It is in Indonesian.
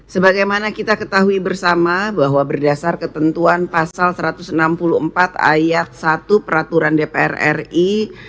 sebagaimana kita ketahui bersama bahwa berdasar ketentuan pasal satu ratus enam puluh empat ayat satu peraturan dpr ri